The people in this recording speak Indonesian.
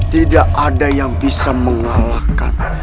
tidak ada yang bisa mengalahkan